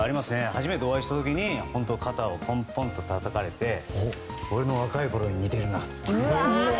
初めてお会いした時に肩をポンポンとたたかれて俺の若いころに似てるなって。